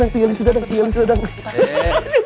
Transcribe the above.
tinggal di sudadang tinggal di sudadang